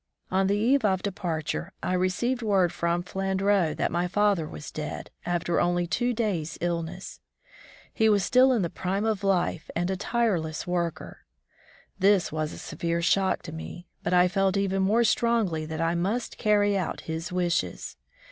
On the eve of departure, I received word from Flandreau that my father was dead, after only two days' illness. He was still in the prime of life and a tireless worker. This was a severe shock to me, but I felt even more strongly that I must carry out his wishes.